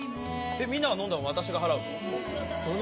みんなが飲んだの私が払うの？